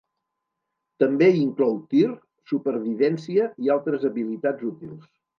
També inclou tir, supervivència i altres habilitats útils.